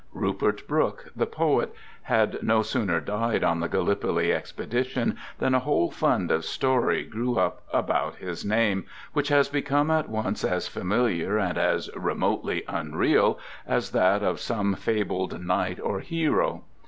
Rupert Brooke, the poet, had no sooner died on the Gallipoli expedi tion than a whole fund of story grew up about his name, which has become at once as familiar and as remotely unreal as that of some fabled knight or hero.